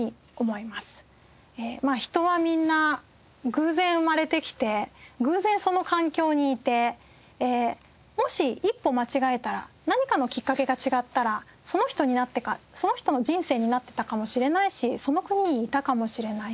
人はみんな偶然生まれてきて偶然その環境にいてもし一歩間違えたら何かのきっかけが違ったらその人の人生になっていたかもしれないしその国にいたかもしれない。